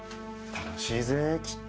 楽しいぜきっと。